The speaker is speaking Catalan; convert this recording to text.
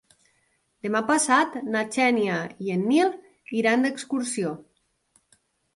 Demà passat na Xènia i en Nil iran d'excursió.